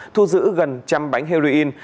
thu giữ gần trăm bánh heroin